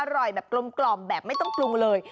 อร่อยแบบกลมแบบไม่ต้องปรุงเลย